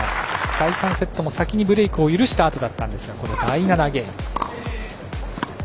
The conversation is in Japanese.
第３セットも先にブレークを許したあとだったんですが第７ゲーム。